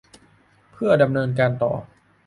เพื่อดำเนินการต่อไป